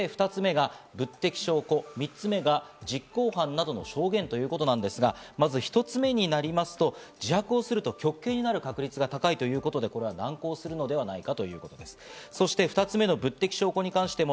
そして２つ目が物的証拠、３つ目が実行犯などの証言ということですが、まず１つ目になりますと、自白をすると極刑になる確率が高いということで、これは難航するのではないかということです。